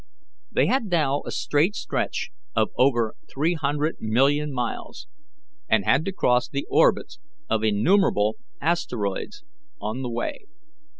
They had now a straight stretch of over three hundred million miles, and had to cross the orbits of innumerable asteroids on the way.